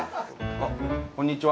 あこんにちは。